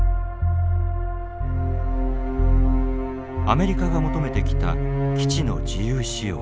アメリカが求めてきた基地の自由使用。